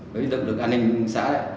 với dựng lực an ninh xã